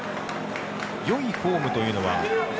よいフォームというのは。